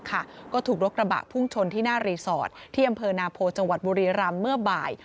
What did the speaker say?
ก็ถูกรถกระบะพุ่งชนที่หน้ารีสอร์ทที่อำเภอนาโพจังหวัดบุรีรำเมื่อบ่าย